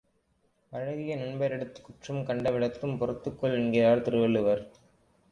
பழகிய நண்பரிடத்துக் குற்றம் கண்டவிடத்தும் பொறுத்துக்கொள் என்கிறார் திருவள்ளுவர்.